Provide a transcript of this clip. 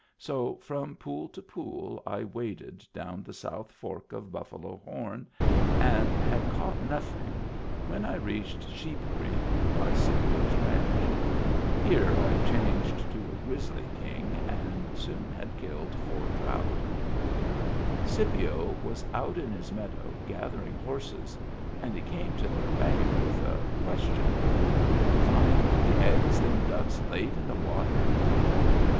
So from pool to pool I waded down the south fork of Buffalo Horn and had caught nothing when I reached Sheep Creek, by Scipio's ranch. Here I changed to a grizzly king and soon had, killed four trout Digitized by VjOOQIC THE DRAKE WHO HAD MEANS OF HIS OWN 289 Scipio was out in his meadow gathering horses, and he came to the bank with a question :—" Find the eggs them ducks laid in the water?"